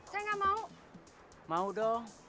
saya nggak mau mau dong